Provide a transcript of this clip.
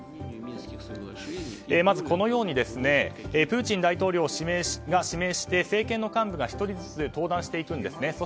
まずこのようにプーチン大統領が指名して政権の幹部が１人ずつ登壇していくんですね。